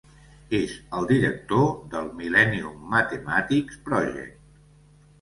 És el director del Millennium Mathematics Project.